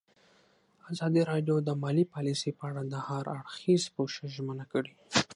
ازادي راډیو د مالي پالیسي په اړه د هر اړخیز پوښښ ژمنه کړې.